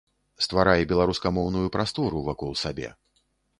Стварай беларускамоўную прастору вакол сабе.